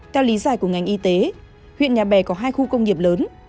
theo lý giải của ngành y tế huyện nhà bè có hai khu công nghiệp lớn